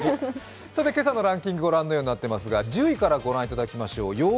今朝のランキングご覧のようになっていますが、１０位からご覧いただきましょう。